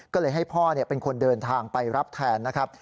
ก็เลยให้พ่อเป็นคนเดินทางไปรับแทนนะครับ